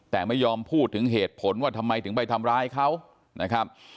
แต่ไม่ยอมพูดถึงเหตุผลว่าทำไมถึงไปทำร้ายเขานะครับ